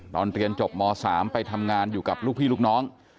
ตอนเรียนจบม๓ไปทำงานอยู่กับลูกพี่ลูกน้อง